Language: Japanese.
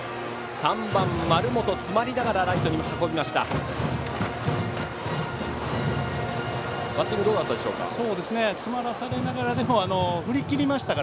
３番、丸本が詰まりながらライトに運びました。